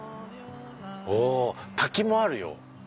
お滝もあるよ。